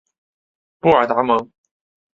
布尔达蒙。